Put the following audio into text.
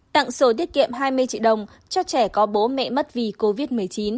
tặng sổ tiết kiệm hai mươi triệu đồng cho trẻ có bố mẹ mất vì covid một mươi chín